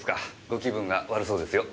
ご気分が悪そうですよ。